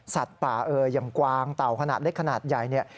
สัตว์ป่าอย่างกวางเต่าขนาดเล็กขนาดใหญ่